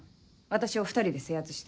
私を２人で制圧して。